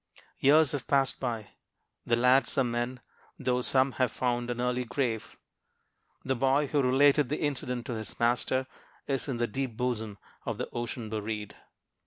Years have passed by. The lads are men, though some have found an early grave. The boy who related the incident to his master is "in the deep bosom of the ocean buried."